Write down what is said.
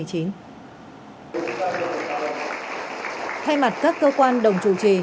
thay mặt các cơ quan đồng chủ trì